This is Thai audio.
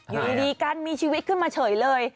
อยู่ดีกันมีชีวิตขึ้นมาเฉยเลย